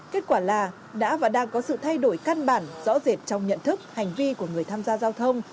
kết quả là đã và đang có sự thay đổi căn bản rõ rệt trong nhận thức hành vi của người tham gia giao thông